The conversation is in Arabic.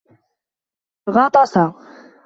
غطس.